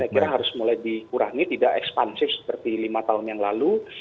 saya kira harus mulai dikurangi tidak ekspansif seperti lima tahun yang lalu